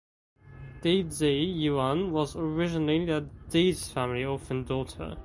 Di Zi Yuan was originally the Di’s family orphaned daughter.